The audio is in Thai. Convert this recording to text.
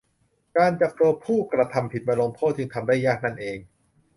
การจับตัวผู้กระทำผิดมาลงโทษจึงทำได้ยากนั่นเอง